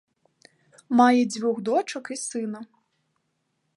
Мае дзвюх дочак і сына.